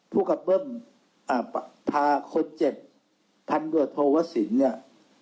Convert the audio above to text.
พวกกับเบิ้มอ่าพาคนเจ็ดพันเมื่อโทวะศิลป์เนี้ย